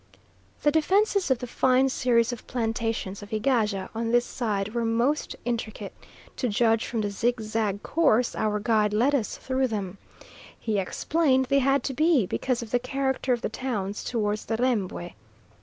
The defences of the fine series of plantations of Egaja on this side were most intricate, to judge from the zigzag course our guide led us through them. He explained they had to be because of the character of the towns towards the Rembwe.